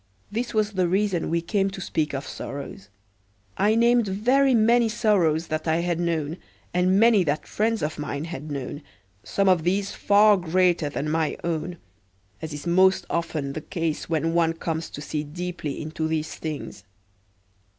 This was the reason we came to speak of sorrows. I named very many sorrows that I had known, and many that friends of mine had known, some of these far greater than my own; as is most often the case when one comes to see deeply into these things.